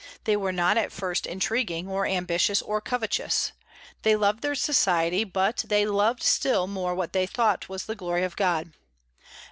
They were not at first intriguing, or ambitious, or covetous. They loved their Society; but they loved still more what they thought was the glory of God.